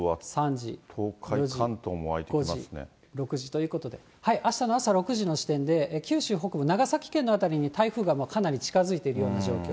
今度は東海、６時ということで、あしたの朝６時の時点で、九州北部、長崎県の辺りに台風がもうかなり近づいているような状況。